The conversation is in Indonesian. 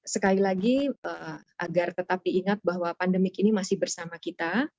sekali lagi agar tetap diingat bahwa pandemik ini masih bersama kita